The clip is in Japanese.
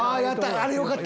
あれよかった！